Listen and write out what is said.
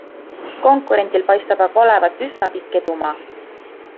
Konkurendil paistab aga olevat üsna pikk edumaa.